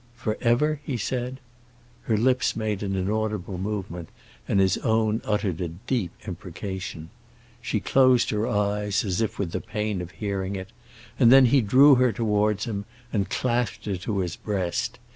"Forever?" he said. Her lips made an inaudible movement and his own uttered a deep imprecation. She closed her eyes, as if with the pain of hearing it; then he drew her towards him and clasped her to his breast.